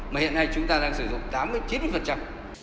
mà hiện nay chúng ta đang sử dụng tám mươi chín